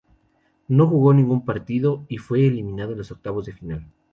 No jugó ningún partido, y fue eliminado en los octavos de final.